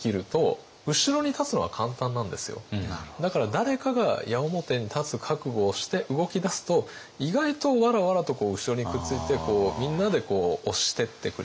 でもだから誰かが矢面に立つ覚悟をして動き出すと意外とわらわらと後ろにくっついてみんなで押してってくれるっていう。